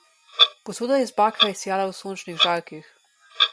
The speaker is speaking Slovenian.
Posoda iz bakra je sijala v sončnih žarkih.